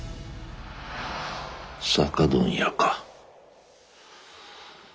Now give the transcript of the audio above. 酒問屋か。